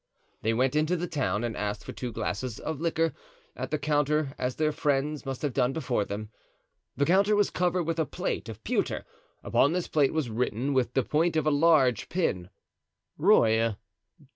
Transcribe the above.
They went into the town and asked for two glasses of liqueur, at the counter—as their friends must have done before them. The counter was covered with a plate of pewter; upon this plate was written with the point of a large pin: "Rueil...